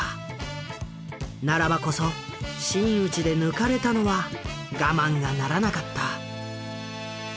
ならばこそ真打ちで抜かれたのは我慢がならなかった。